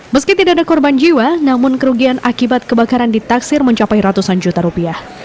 meski tidak ada korban jiwa namun kerugian akibat kebakaran ditaksir mencapai ratusan juta rupiah